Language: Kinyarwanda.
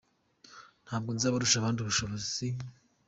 Ntabwo nzi abarusha abandi ubushobozi